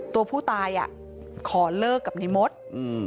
ตัวผู้ตายขอเลิกกับในมด